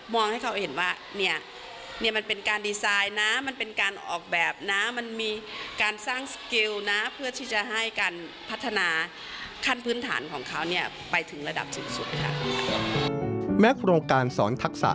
แม้โอนการสอนทักษะ